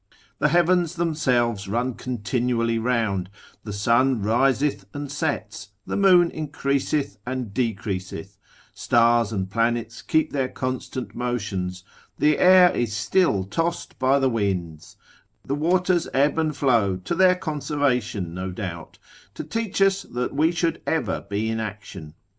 The heavens themselves run continually round, the sun riseth and sets, the moon increaseth and decreaseth, stars and planets keep their constant motions, the air is still tossed by the winds, the waters ebb and flow to their conservation no doubt, to teach us that we should ever be in action.